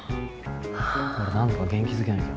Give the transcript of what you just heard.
なんとか元気づけないと。